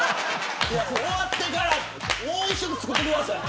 終わってからもう１食作ってください。